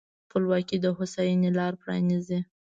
خپلواکي د هوساینې لاره پرانیزي.